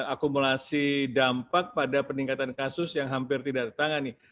akumulasi dampak pada peningkatan kasus yang hampir tidak tertangani